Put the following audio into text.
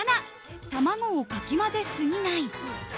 ７卵をかき混ぜすぎない。